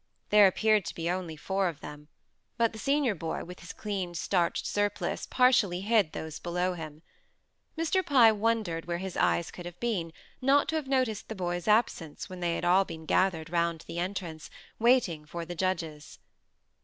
There appeared to be only four of them; but the senior boy with his clean, starched surplice, partially hid those below him. Mr. Pye wondered where his eyes could have been, not to have noticed the boy's absence when they had all been gathered round the entrance, waiting for the judges.